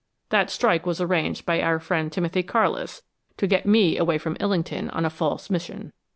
That strike was arranged by our friend Timothy Carlis, to get me away from Illington on a false mission."